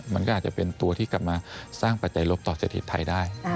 มันก็อาจจะเป็นตัวที่กลับมาสร้างปัจจัยลบต่อเศรษฐกิจไทยได้